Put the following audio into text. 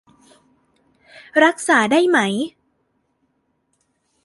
รักษาได้ไหม